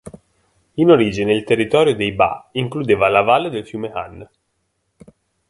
In origine il territorio dei Ba includeva la valle del fiume Han.